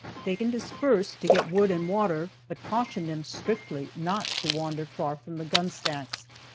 They can disperse to get wood and water, but caution them strictly not to wander far from the gun stacks.